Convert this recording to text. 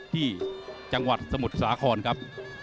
ที่จังหวัดสมุทรสาครครับ